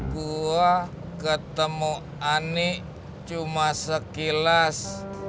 gue ketemu ani cuma sekilas